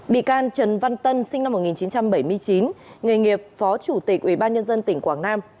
bị can trần văn tân sinh năm một nghìn chín trăm bảy mươi chín nghề nghiệp phó chủ tịch ubnd tỉnh quảng nam